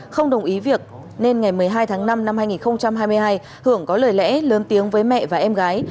không đồng ý việc nên ngày một mươi hai tháng năm năm hai nghìn hai mươi hai hưởng có lời lẽ lớn tiếng với mẹ và em gái